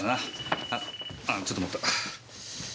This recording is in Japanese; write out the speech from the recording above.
あちょっと待った。